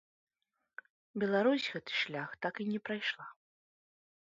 Беларусь гэты шлях так і не прайшла.